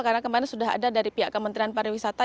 karena kemarin sudah ada dari pihak kementerian pariwisata